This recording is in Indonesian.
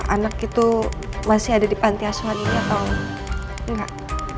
anak itu masih ada di panti asuhan ini atau enggak